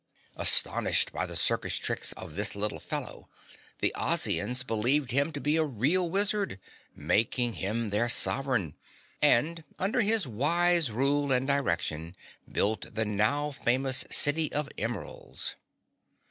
Astonished by the circus tricks of this little fellow, the Ozians believing him to be a real wizard, made him their sovereign, and under his wise rule and direction, built the now famous City of Emeralds.